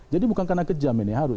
jadi bukan karena kejam ini harus